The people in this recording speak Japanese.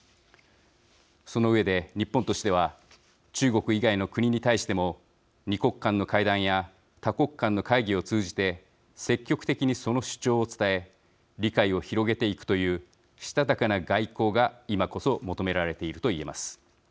その上で日本としては中国以外の国に対しても２国間の会談や多国間の会議を通じて積極的にその主張を伝え理解を広げていくというしたたかな外交が今こそ求められていると言えます。